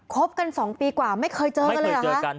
คบกัน๒ปีกว่าไม่เคยเจอกันเลยหรือคะไม่เคยเจอกัน